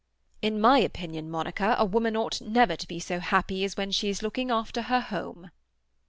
"In my opinion, Monica, a woman ought never to be so happy as when she is looking after her home."